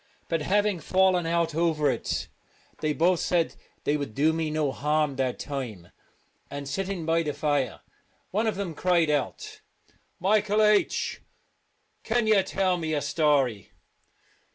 But having fallen out over it, they both said they would do me no harm that time ; and, sitting by the fire, one of them cried out :" Michael H , can you tell me a story?"